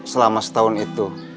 selama setahun itu